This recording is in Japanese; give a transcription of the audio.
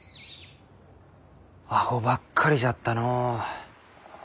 アホばっかりじゃったのう。